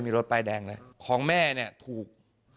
มีรถป้ายแดงนะของแม่เนี่ยถูก